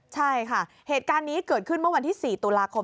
ใช่ค่ะเหตุการณ์นี้เกิดขึ้นเมื่อวันที่๔ตุลาคม